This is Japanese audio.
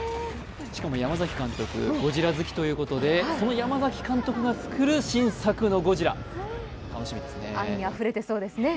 しかも山崎監督、ゴジラ好きということで、その山崎監督が作る新作の「ゴジラ」楽しみですね。